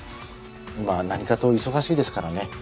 今は何かと忙しいですからね。